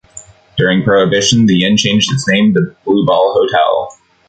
During Prohibition, the inn changed its name to Blue Ball Hotel.